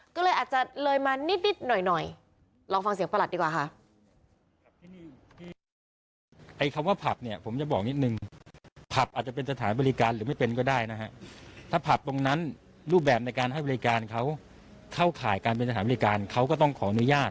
ก็เลยอาจจะเลยมานิดหน่อยลองฟังเสียงประหลัดดีกว่าค่ะ